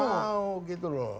tidak mau gitu loh